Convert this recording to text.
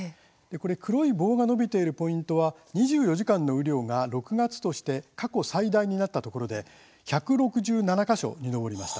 黒い棒が伸びているポイントは２４時間の雨量が６月として過去最大になったところで１６７か所に上りました。